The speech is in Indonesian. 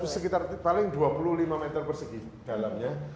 sekitar paling dua puluh lima meter persegi dalamnya